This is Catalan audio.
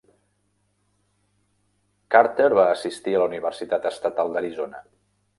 Carter va assistir a la Universitat Estatal d'Arizona.